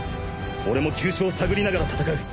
俺も急所を探りながら戦う。